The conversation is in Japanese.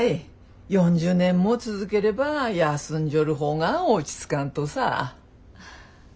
４０年も続ければ休んじょる方が落ち着かんとさ。